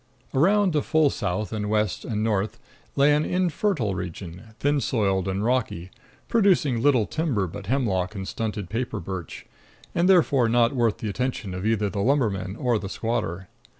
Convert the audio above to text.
Around to full south and west and north lay an infertile region, thin soiled and rocky, producing little timber but hemlock and stunted paper birch, and therefore not worth the attention of either the lumberman or the squatter.